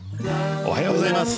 おはようございます。